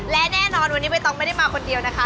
และแน่นอนวันนี้ใบตองไม่ได้มาคนเดียวนะคะ